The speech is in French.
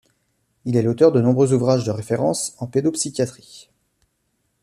Il est l'auteur de nombreux ouvrages de références en pédopsychiatrie.